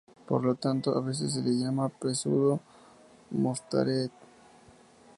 Por lo tanto a veces se le llama Pseudo-Mostaert.